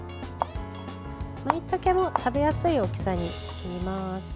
まいたけも食べやすい大きさに切ります。